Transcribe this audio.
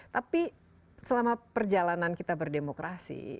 tapi selama perjalanan kita berdemokrasi